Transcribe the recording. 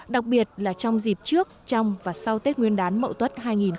đặc biệt là trong dịp trước trong và sau tết nguyên đán mậu tuất hai nghìn một mươi tám